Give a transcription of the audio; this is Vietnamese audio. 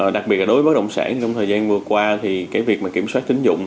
đặc biệt là đối với bất động sản trong thời gian vừa qua thì cái việc mà kiểm soát tính dụng